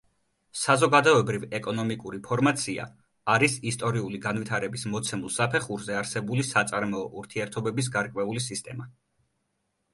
საზოგადოებრივ-ეკონომიკური ფორმაცია არის ისტორიული განვითარების მოცემულ საფეხურზე არსებული საწარმოო ურთიერთობების გარკვეული სისტემა.